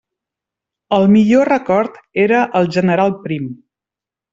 El millor record era el general Prim.